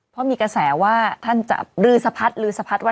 เพราะมีกระแสว่าท่านจะรือสะพัด